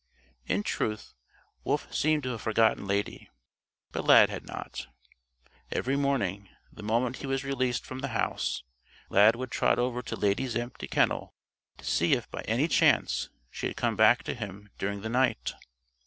In truth, Wolf seemed to have forgotten Lady. But Lad had not. Every morning, the moment he was released from the house, Lad would trot over to Lady's empty kennel to see if by any chance she had come back to him during the night.